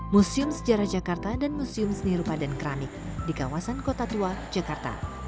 museum sejarah jakarta dan museum seni rupa dan keramik di kawasan kota tua jakarta